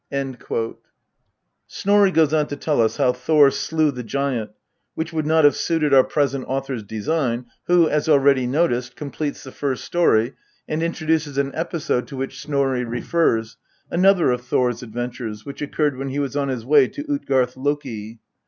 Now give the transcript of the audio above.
Snorri goes on to tell how Thor slew the giant, which would not have suited our present author's design, who, as already noticed, completes the first story and introduces an episode to which Snorri refers, another of Thor's adventures, which occurred when he was on his way to Utgarth loki.